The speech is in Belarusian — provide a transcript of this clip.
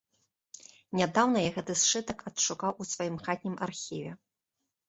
Нядаўна я гэты сшытак адшукаў у сваім хатнім архіве.